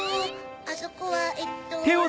あそこはえっと。